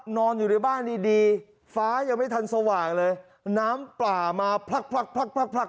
นอนอยู่ในบ้านดีดีฟ้ายังไม่ทันสว่างเลยน้ำป่ามาพลักพลักพลักพลักพลัก